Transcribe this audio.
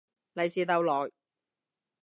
利是逗來